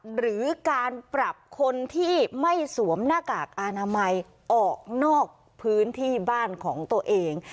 หรือการปรับคนที่ไม่สวมหน้ากากอนามัยออกนอกพื้นที่บ้านของตัวเอง